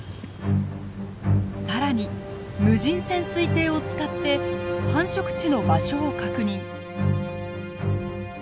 更に無人潜水艇を使って繁殖地の場所を確認。